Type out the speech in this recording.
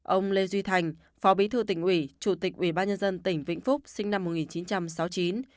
ông lê duy thành phó bí thư tỉnh ủy chủ tịch ủy ban nhân dân tỉnh vĩnh phúc sinh năm một nghìn chín trăm sáu mươi chín